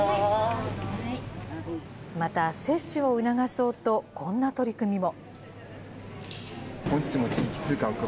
また接種を促そうとこんな取り組みも。